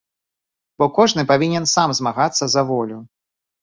Бо кожны павінен сам змагацца за волю.